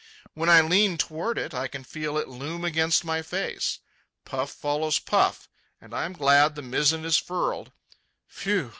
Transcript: When I lean toward it, I can feel it loom against my face. Puff follows puff, and I am glad the mizzen is furled. Phew!